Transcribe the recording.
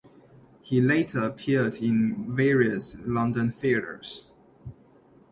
He later appeared in various London theatres.